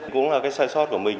cũng là cái sai sót của mình